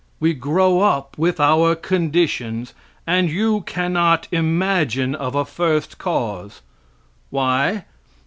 We grow up with our conditions, and you cannot imagine of a first cause. Why?